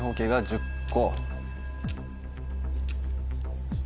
１０個。